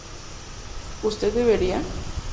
¿usted bebería?